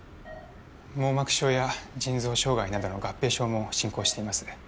網膜症や腎臓障害などの合併症も進行しています